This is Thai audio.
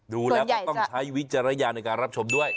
ดูแล้วก็ต้องใช้วิจารณญาณในการรับชมด้วย